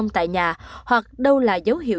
tại nhà hoặc đâu là dấu hiệu